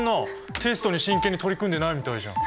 テストに真剣に取り組んでないみたいじゃん。